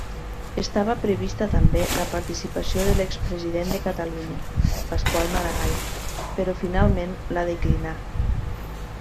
Estava prevista també la participació de l'expresident de Catalunya Pasqual Maragall, però finalment la declinà.